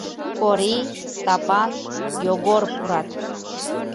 Кори, Стапан, Йогор пурат.